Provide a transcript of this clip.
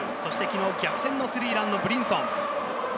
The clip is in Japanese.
昨日、逆転のスリーランのブリンソン。